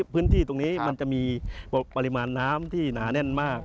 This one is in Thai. พื้นที่ตรงนี้มันจะมีปริมาณน้ำที่หนาแน่นมาก